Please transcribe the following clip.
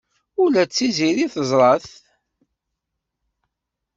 Ula d Tiziri teẓra-t.